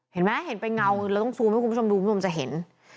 เห็นไหมเห็นเป็นเงาเราต้องซูมให้คุณผู้ชมดูคุณผู้ชมจะเห็น